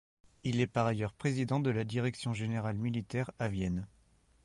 Il est par ailleurs président de la direction générale militaire à Vienne.